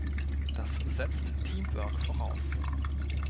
Das setzt Teamwork voraus.